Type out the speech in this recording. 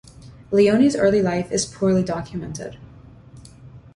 Leoni's early life is poorly documented.